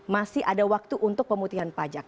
masih ada waktu untuk pemutihan pajak